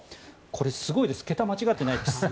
すごいです桁は間違えてないです。